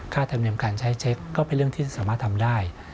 ธรรมเนียมการใช้เช็คก็เป็นเรื่องที่สามารถทำได้